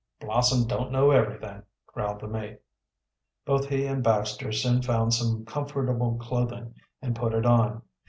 "Blossom don't know everything," growled the mate. Both he and Baxter soon found some comfortable clothing, and put it on.